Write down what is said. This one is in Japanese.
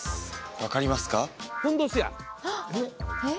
分かりますか？